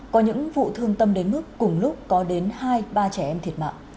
có những vụ thương tâm đến mức cùng lúc có đến hai ba trẻ em thiệt mạng